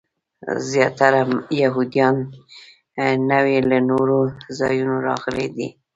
زیاتره یهودیان نوي له نورو ځایونو راغلي دي.